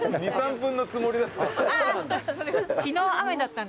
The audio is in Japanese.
２３分のつもりだった。